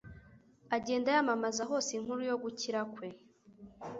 agenda yamamaza hose inkuru yo gukira kwe.